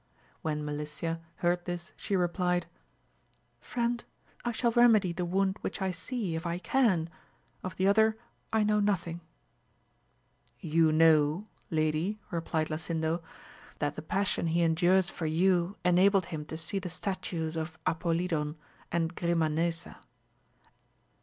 When Melicia heard this she replied. Friend I shall remedy the wound which I see, if I can ! of the other I know nothing. You know, lady, replied Lasindo, that the passion he endures for you enabled him to see the statues of Apolidon and Grimanesa.